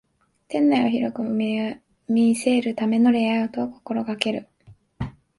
店内を広く見せるためのレイアウトを心がける